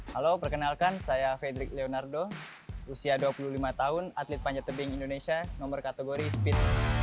halo perkenalkan saya fedrik leonardo usia dua puluh lima tahun atlet panjat tebing indonesia nomor kategori speed